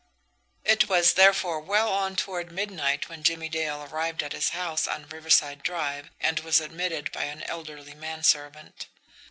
It was, therefore, well on toward midnight when Jimmie Dale arrived at his house on Riverside Drive, and was admitted by an elderly manservant.